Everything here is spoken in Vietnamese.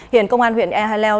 hiện công an huyện e haleo